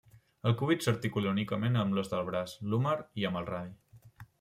El cúbit s'articula únicament amb l'os del braç, l'húmer, i amb el radi.